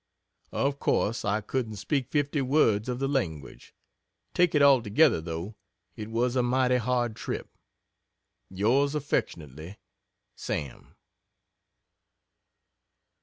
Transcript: Of course I couldn't speak fifty words of the language. Take it altogether, though, it was a mighty hard trip. Yours Affect. SAM.